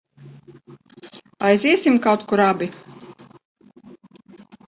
Aiziesim kaut kur abi?